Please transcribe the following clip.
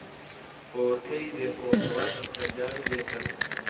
فۆرکەی بێفڕۆکەوانی چەکدار و بێچەک